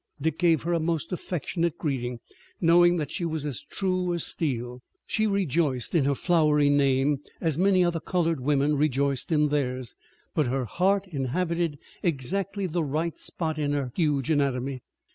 Dick gave her a most affectionate greeting, knowing that she was as true as steel. She rejoiced in her flowery name, as many other colored women rejoiced in theirs, but her heart inhabited exactly the right spot in her huge anatomy.